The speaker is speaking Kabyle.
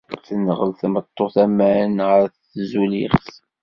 Tenɣel tmeṭṭut aman ɣer tzuliɣt.